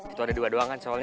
itu ada dua doang kan soalnya